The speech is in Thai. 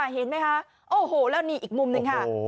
เห็นไหมอีกมุมนึง